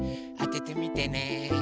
あててみてね。